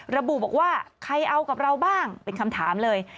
ระบุบอกว่าใครเอากับเราบ้างเป็นคำถามเลย